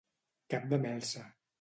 Cap de melsa.